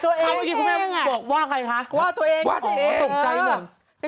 ขวัญนะเนี่ยเสียขวัญนะเนี่ย